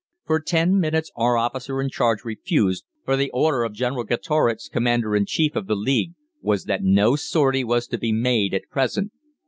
For ten minutes our officer in charge refused, for the order of General Greatorex, Commander in Chief of the League, was that no sortie was to be made at present.